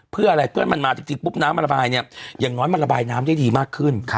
เพื่ออะไรเพื่อให้มันมาจริงปุ๊บน้ำมันระบายเนี่ยอย่างน้อยมันระบายน้ำได้ดีมากขึ้น